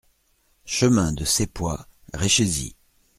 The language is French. Chemin de Seppois, Réchésy